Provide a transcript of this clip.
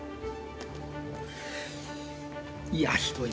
いやひどい。